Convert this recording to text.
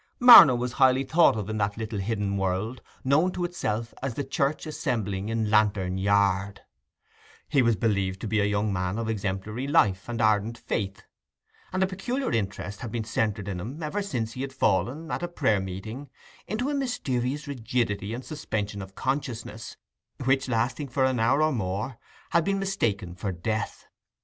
Marner was highly thought of in that little hidden world, known to itself as the church assembling in Lantern Yard; he was believed to be a young man of exemplary life and ardent faith; and a peculiar interest had been centred in him ever since he had fallen, at a prayer meeting, into a mysterious rigidity and suspension of consciousness, which, lasting for an hour or more, had been mistaken for death.